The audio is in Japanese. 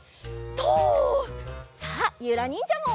とう！さあゆらにんじゃも。